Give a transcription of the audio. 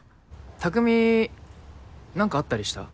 匠何かあったりした？